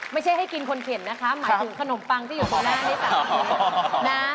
ไม่ใช่ให้กินคนเข็นนะคะหมายถึงขนมปังที่อยู่ข้างหน้านี่ค่ะ